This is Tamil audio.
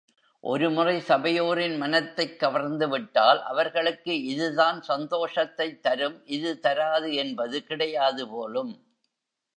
ஒரு முறை சபையோரின் மனத்தைக் கவர்ந்துவிட்டால், அவர்களுக்கு இதுதான் சந்தோஷத்தைத் தரும், இது தராது என்பது கிடையாது போலும்.